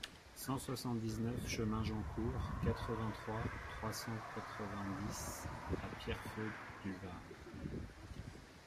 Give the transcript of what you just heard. cent soixante-dix-neuf chemin Jean Court, quatre-vingt-trois, trois cent quatre-vingt-dix à Pierrefeu-du-Var